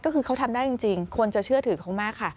ก็คือเขาทำได้จริงคนจะเชื่อถือเขามากค่ะ